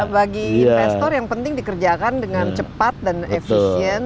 bagi investor yang penting dikerjakan dengan cepat dan efisien